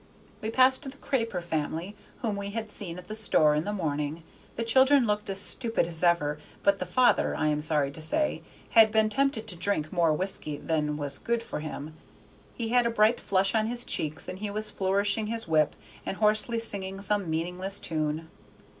We passed the Craper family whom we had seen at the store in the morning; the children looked as stupid as ever, but the father, I am sorry to say, had been tempted to drink more whiskey than was good for him. He had a bright flush on his cheeks, and he was flourishing his whip, and hoarsely singing some meaningless tune.